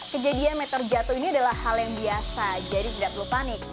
kejadian meter jatuh ini adalah hal yang biasa jadi tidak perlu panik